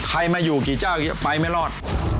ใครมาอยู่กี่เจ้าไปไม่รอด